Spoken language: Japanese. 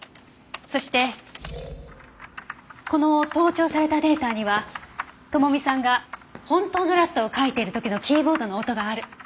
そしてこの盗聴されたデータには智美さんが本当のラストを書いている時のキーボードの音がある。